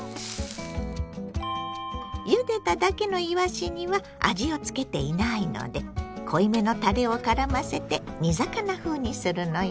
ゆでただけのいわしには味をつけていないので濃いめのたれをからませて煮魚風にするのよ。